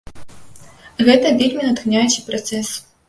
Гэта вельмі натхняючы працэс.